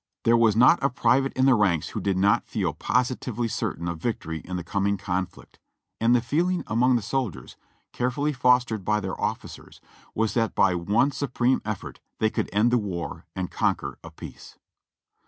There was not a private in the ranks who did not feel positively cer tain of victory in the coming conflict, and the feeling among the soldiers, carefully fostered by their officers, was that by one su preme effort they colild end the war and conquer a peace.